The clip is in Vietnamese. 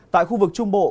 tại khu vực trung bộ